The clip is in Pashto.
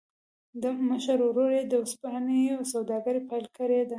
مشر ورور يې د ورځپاڼو سوداګري پیل کړې وه